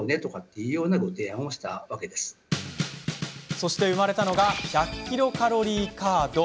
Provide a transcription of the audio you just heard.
そして生まれたのが１００ｋｃａｌカード。